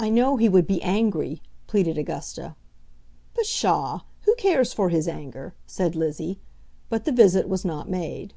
"I know he would be angry," pleaded Augusta. "Psha! who cares for his anger?" said Lizzie. But the visit was not made.